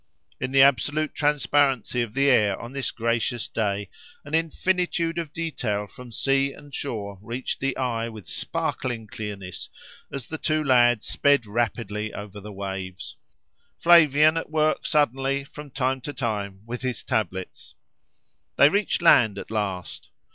In the absolute transparency of the air on this gracious day, an infinitude of detail from sea and shore reached the eye with sparkling clearness, as the two lads sped rapidly over the waves—Flavian at work suddenly, from time to time, with his tablets. They reached land at last.